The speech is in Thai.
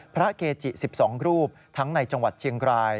พระเกจิ๑๒รูปทั้งในจังหวัดเชียงราย